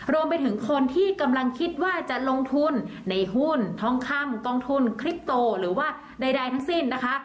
รวมไปถึงคนที่กำลังคิดว่าจะลงทุนในหุ้นทองคำกองทุนคลิปโตหรือว่าใดทั้งสิ้นนะคะ